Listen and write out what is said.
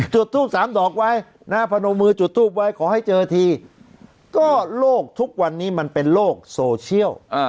จุดทูป๓ดอกไว้นะพนมมือจุดทูปไว้ขอให้เจอทีก็โลกทุกวันนี้มันเป็นโลกโซเชียล